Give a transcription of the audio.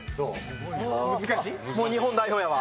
もう日本代表やわ。